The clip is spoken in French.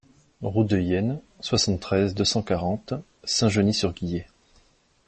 Route de Yenne, soixante-treize, deux cent quarante Saint-Genix-sur-Guiers